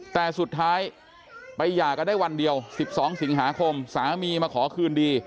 แต่สุดท้ายไปหย่ากันได้วันเดียว๑๒สิงหาคมสามีมาขอคืนดี